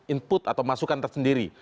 input atau masukan tersendiri